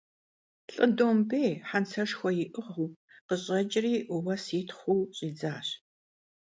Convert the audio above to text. Lh'ı dombêy, hentseşşxue yi'ığıu, khış'eç'ri vues yitxhuu ş'idzaş.